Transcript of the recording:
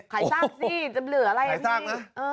ขายซากสิจะเหลืออะไรอันนี้